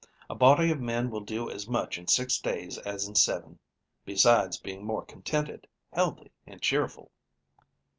A body of men will do as much in six days as in seven, besides being more contented, healthy and cheerful."